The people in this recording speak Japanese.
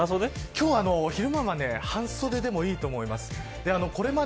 今日は昼間は半袖でもいいと思います。